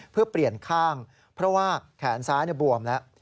เพื่อเปลี่ยนข้างเพราะว่าแขนซ้ายบวมแล้ว